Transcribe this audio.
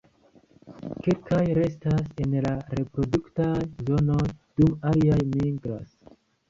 Kelkaj restas en la reproduktaj zonoj, dum aliaj migras.